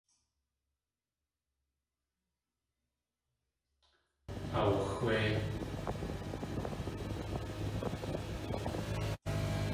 Aawaxwéi.